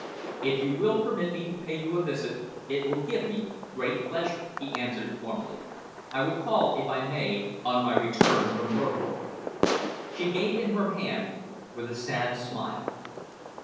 "If you will permit me to pay you a visit, it will give me great pleasure," he answered formally. "I will call, if I may, on my return from Norfolk." She gave him her hand with a sad smile.